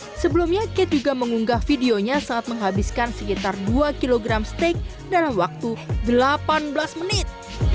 dan juga mengunggah videonya saat menghabiskan sekitar dua kg steak dalam waktu delapan belas menit